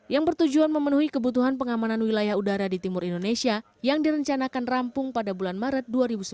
yang bertujuan memenuhi kebutuhan pengamanan wilayah udara di timur indonesia yang direncanakan rampung pada bulan maret dua ribu sembilan belas